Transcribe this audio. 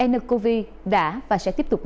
mqv đã và sẽ tiếp tục